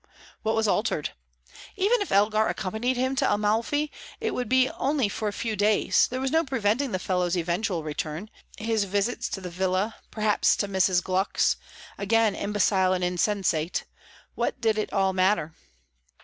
What was altered? Even if Elgar accompanied him to Amalfi, it would only be for a few days; there was no preventing the fellow's eventual return his visits to the villa, perhaps to Mrs. Gluck's. Again imbecile and insensate What did it all matter?